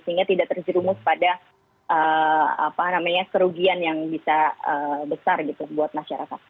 sehingga tidak terjerumus pada kerugian yang bisa besar gitu buat masyarakat